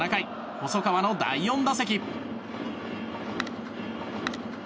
細川の第４打席。